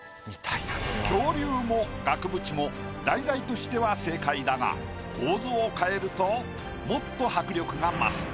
恐竜も額縁も題材としては正解だが構図を変えるともっと迫力が増す。